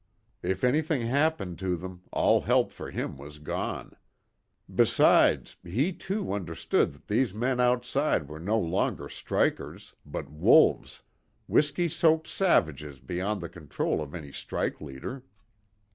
If anything happened to them all help for him was gone. Besides, he, too, understood that these men outside were no longer strikers, but wolves, whiskey soaked savages beyond the control of any strike leader.